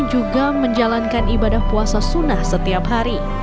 juga menjalankan ibadah puasa sunnah setiap hari